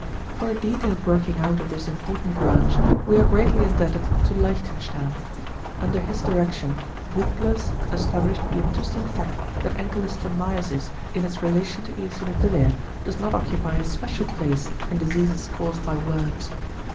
For a detailed working out of this important branch we are greatly indebted to Leichtenstern. Under his direction Bücklers established the interesting fact that Ankylostomiasis in its relation to eosinophilia does not occupy a special place in diseases caused by worms.